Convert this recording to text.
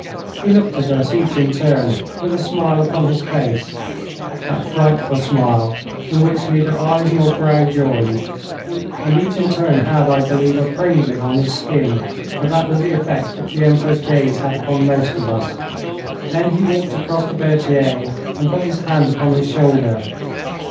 He looked at us each in turn, with a smile upon his face that frightful smile in which neither eyes nor brow joined and each in turn had, I believe, a pringling on his skin, for that was the effect which the Emperor's gaze had upon most of us. Then he walked across to Berthier and put his hand upon his shoulder.